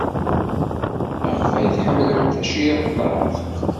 Maɣef ay ḥemmlent tacirḍart?